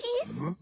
ん？